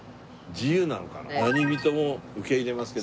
自由なのかな？